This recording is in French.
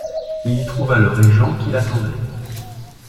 Il y trouva le régent qui l'attendait.